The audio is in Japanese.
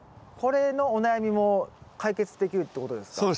これのお悩みも解決できるってことですか？